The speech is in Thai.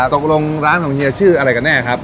ตกลงร้านของเฮียชื่ออะไรกันแน่ครับ